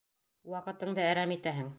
Ваҡытыңды әрәм итәһең.